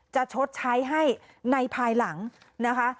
ชดใช้ให้ในภายหลังนะคะ